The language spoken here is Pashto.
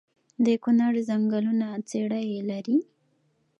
د کونړ ځنګلونه څیړۍ لري؟